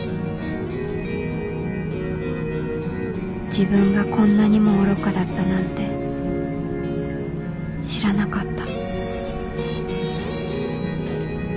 自分がこんなにも愚かだったなんて知らなかった